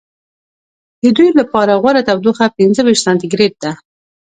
د دوی لپاره غوره تودوخه پنځه ویشت سانتي ګرېد ده.